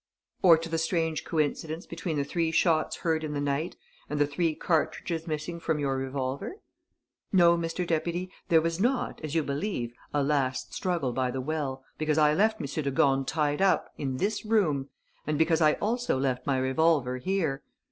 "Or to the strange coincidence between the three shots heard in the night and the three cartridges missing from your revolver?" "No, Mr. Deputy, there was not, as you believe, a last struggle by the well, because I left M. de Gorne tied up, in this room, and because I also left my revolver here.